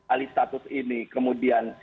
alih status ini kemudian